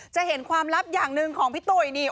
จะเห็นความลับอย่างหนึ่งของพี่ตุ๋ยนี่